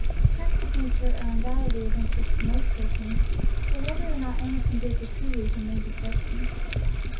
Facts of nature are undoubtedly of interest to most persons, though whether or not Emerson gives the true reason may be questioned.